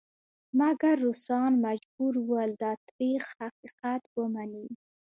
مګر روسان مجبور ول دا تریخ حقیقت ومني.